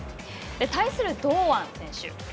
対する堂安選手。